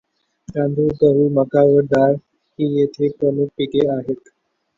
तांदूळ, गहू, मका व डाळ ही येथील प्रमुख पिके आहेत.